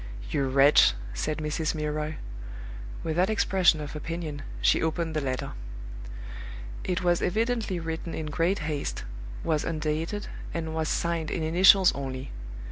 "You wretch!" said Mrs. Milroy. With that expression of opinion, she opened the letter. It was evidently written in great haste, was undated, and was signed in initials only.